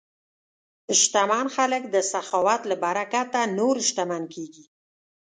شتمن خلک د سخاوت له برکته نور شتمن کېږي.